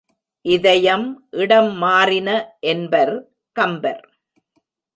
இதயம் இடம் மாறின என்பர் கம்பர்.